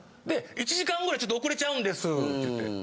「１時間ぐらいちょっと遅れちゃうんです」って言って。